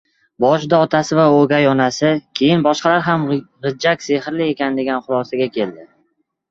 Boshida otasi va oʻgay onasi, keyin boshqalar ham gʻijjak sehrli ekan degan xulosaga keldi.